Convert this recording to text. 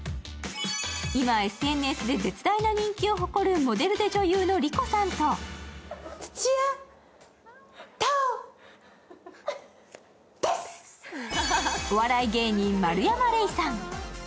今、ＳＮＳで絶大な人気を誇るモデルで女優の莉子さんとお笑い芸人・丸山礼さん。